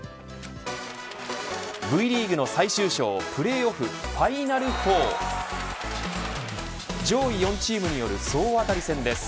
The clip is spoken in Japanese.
Ｖリーグの最終章プレーオフファイナル４上位４チームによる総当たり戦です。